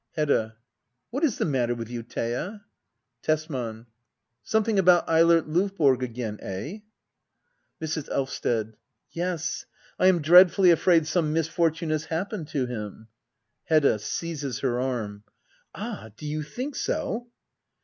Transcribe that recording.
Hedda. What is the matter with you, Thea ? Tesman. Something about Eilert Lovborg again — eh ? Mrs. Elvsted. Yes ! I am dreadfully afraid some misfortune has happened to him. Hedda. [Seizes her arm.] Ah, — do you think so